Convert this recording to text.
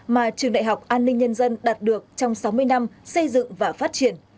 mà trường đại học an ninh nhân dân đạt được trong sáu mươi năm xây dựng và phát triển